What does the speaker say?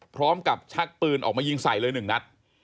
พร้อมกับชักปืนออกมายิงใส่เลยหนึ่งนัด